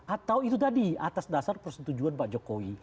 atau itu tadi atas dasar persetujuan pak jokowi